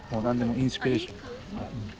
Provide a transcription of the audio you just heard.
インスピレーションで。